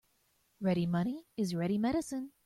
Ready money is ready medicine.